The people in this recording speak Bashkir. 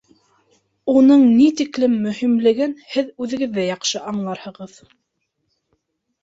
Уның ни тиклем мөһимлеген һеҙ үҙегеҙ ҙә яҡшы аңларһығыҙ.